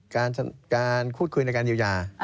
การคุดคุยในการยิวยา